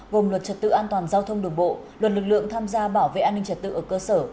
gồm luật trật tự an toàn giao thông đường bộ luật lực lượng tham gia bảo vệ an ninh trật tự ở cơ sở